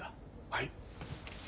はい。